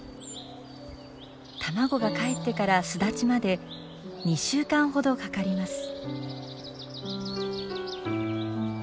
卵がかえってから巣立ちまで２週間ほどかかります。